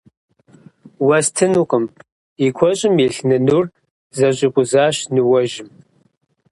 Уэстынукъым! – и куэщӀым илъ нынур зэщӀикъузащ ныуэжьым.